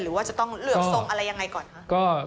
หรือว่าจะต้องเหลือบทรงอะไรยังไงก่อนคะ